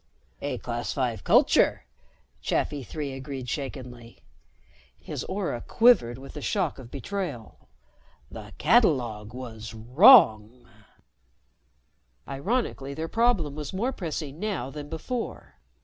"A Class Five culture," Chafi agreed shakenly. His aura quivered with the shock of betrayal. "The catalogue was wrong." Ironically, their problem was more pressing now than before.